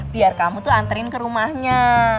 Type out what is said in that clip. biar kamu tuh anterin ke rumahnya